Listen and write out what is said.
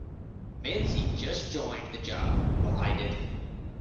Mansi just joined the job while I did.